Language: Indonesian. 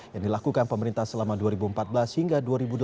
yang dilakukan pemerintah selama dua ribu empat belas hingga dua ribu delapan belas